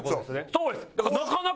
そうです。